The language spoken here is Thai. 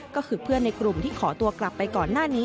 ก็คือเพื่อนในกลุ่มที่ขอตัวกลับไปก่อนหน้านี้